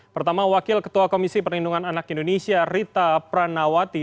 pertama wakil ketua komisi perlindungan anak indonesia rita pranawati